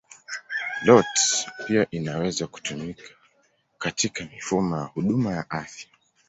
IoT pia inaweza kutumika katika mifumo ya huduma ya afya.